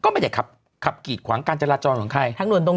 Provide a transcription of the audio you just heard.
เป็นใครก็โมโฮเขาว่าอย่างนี้